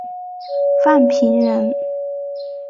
范平人。